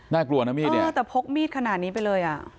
น่ากลัวนะมีดเนี่ยแต่พกมีดขนาดนี้ไปเลย